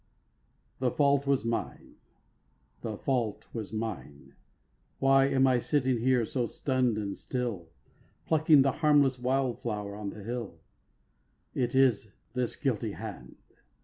'The fault was mine, the fault was mine' Why am I sitting here so stunn'd and still, Plucking the harmless wild flower on the hill? It is this guilty hand!